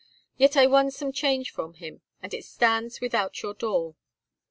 Yet I won some change from him, and it stands without your door.